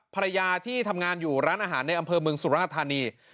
ภรรยาที่ทำงานอยู่ร้านอาหารในอำเภอเมืองสุราธานี